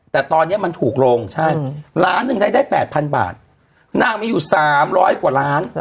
แต่ตอนนี้มันถูกลงใช่ล้านหนึ่งได้๘๐๐๐บาทนางมีอยู่๓๐๐กว่าล้าน